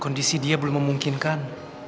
kondisi dia belum memungkinkan